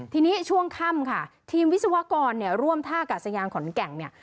ทีนี้ช่วงค่ำค่ะทีมวิศวกรเนี่ยร่วมท่ากาศยานขอนแก่นเนี่ย